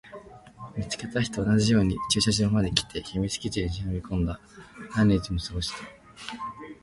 見つけた日と同じように駐車場まで来て、秘密基地に忍び込んだ。何日も過ごした。